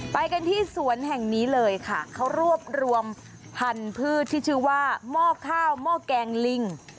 ไปกันที่สวนแห่งนี้เลยค่ะเขารวบรวมพันธุ์พืชที่ชื่อว่าหม้อข้าวหม้อแกงลิง